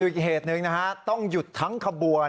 อีกเหตุหนึ่งนะฮะต้องหยุดทั้งขบวน